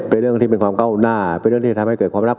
เป็นเรื่องที่เป็นความก้าวหน้าเป็นเรื่องที่ทำให้เกิดความรับ